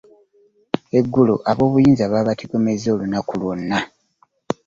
Eggulo ab'obuyinza babatigomezza olunaku lw'onna